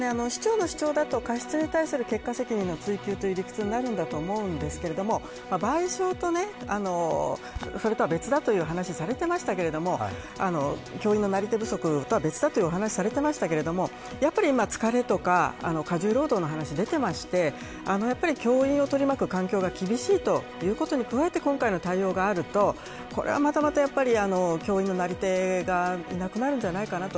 市長の主張だと、過失に対する結果責任の追及という理屈になると思うんですが賠償とそれとは別だという話をされていましたけど教員のなり手不足とは別だという話をされていましたが疲れとか過重労働の話が出ていて教員を取り巻く環境が厳しいということに加えて今回の対応があるとこれはまた、教員のなり手がいなくなるんじゃないかなと。